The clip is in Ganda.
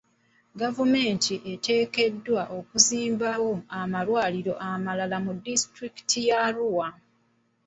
Gavumenti eteekeddwa okuzimbawo amalwaliro amalala mu disitulikiti ya Arua.